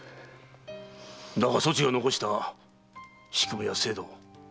だがそちが残した仕組みや制度